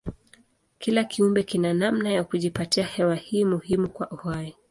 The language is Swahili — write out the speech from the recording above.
Kila kiumbe kina namna ya kujipatia hewa hii muhimu kwa uhai.